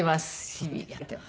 日々やっています。